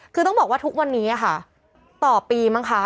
คือต้องบอกว่าทุกวันนี้ค่ะต่อปีมั้งคะ